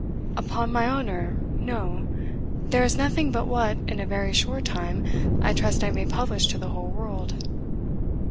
"Upon my honour, no; there is nothing but what, in a very short time, I trust I may publish to the whole world."